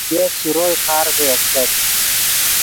یف شروئے خارڤے استت